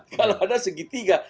kalau ada segitiga